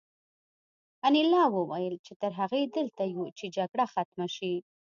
انیلا وویل چې تر هغې دلته یو چې جګړه ختمه شي